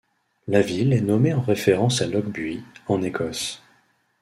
La ville est nommée en référence à Lochbuie, en Écosse.